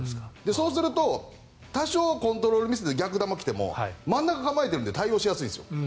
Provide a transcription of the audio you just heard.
そうすると、多少コントロールミスで逆球来ても真ん中に構えているから対応しやすいんです。